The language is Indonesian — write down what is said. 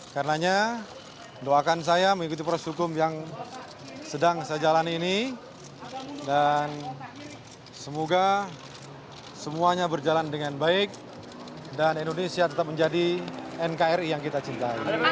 karenanya doakan saya mengikuti proses hukum yang sedang saya jalani ini dan semoga semuanya berjalan dengan baik dan indonesia tetap menjadi nkri yang kita cintai